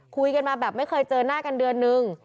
คุยกันมาแบบไม่เคยเจอหน้ากันเดือนนึง